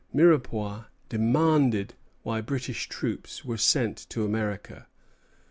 Mirepoix demanded why British troops were sent to America.